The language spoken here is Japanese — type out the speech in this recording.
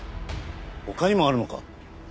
他にもあるのか？